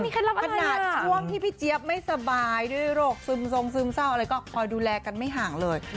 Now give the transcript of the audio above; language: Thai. ขนาดช่วงที่พี่เจี๊ยบไม่สบายด้วยโรคซึมทรงซึมเศร้าอะไรก็คอยดูแลกันไม่ห่างเลย